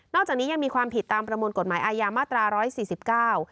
จากนี้ยังมีความผิดตามประมวลกฎหมายอาญามาตราร้อยสี่สิบเก้า